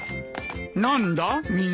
何だみんなして。